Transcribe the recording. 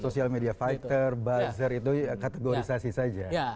sosial media fighter buzzer itu kategorisasi saja